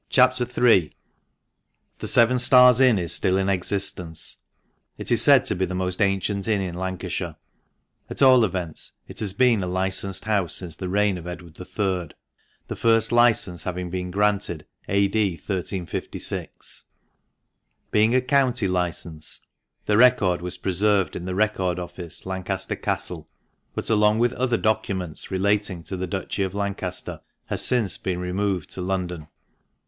CHAP. III.— THE SEVEN STARS INN is still in existence. It is said to be the most ancient inn in Lancashire. At all events, it has been a licensed house since the reign of Edward III., the first licence having been granted A D. 1356. Being a county licence, the record was preserved in the Record Office, Lancaster Castle, but along with other documents relating to the Duchy of Lancaster has since been removed to London.